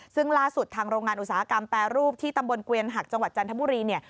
ซึ่งล่าสุดทางโรงงานอุตสาหกรรมแปรรูปที่ตำบลเกวียนหักจังหวัดจันทบุรีเนี่ย